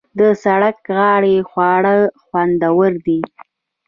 د سړک غاړې خواړه خوندور دي.